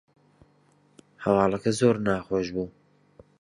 هەواڵەکە زۆر ناخۆش بوو